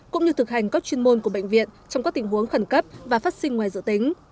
cũng như thực hành các chuyên môn của bệnh viện trong các tình huống khẩn cấp và phát sinh ngoài dự tính